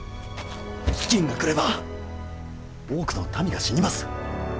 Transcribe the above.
飢饉が来れば多くの民が死にます。